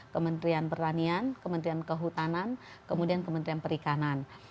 kementerian pertanian kementerian kehutanan kemudian kementerian perikanan